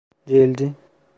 Değildi.